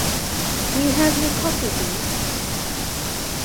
Do you have any coffee bean?